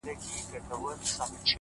o څښل مو تويول مو شرابونه د جلال،